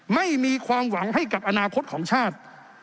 ไม่มีความหวังให้กับอนาคตของชาติ